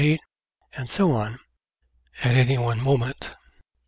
2 and 8, and so on, at any one moment.